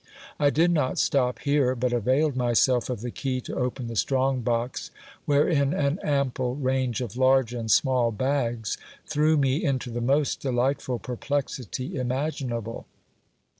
I did not stop here ; but availed myself of the key to open the strong box, wherein an ample range of large and small bags threw me into the most delightful perplexity imaginable.